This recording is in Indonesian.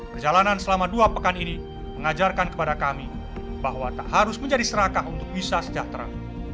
perjalanan selama dua pekan ini mengajarkan kepada kami bahwa tak harus menjadi serakah untuk bisa sejahtera